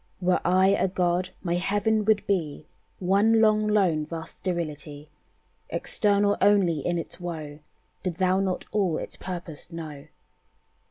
"Were I a God, my heaven would be One long, lone, vast sterility, Eternal only in its woe Did thou not all its purpose know.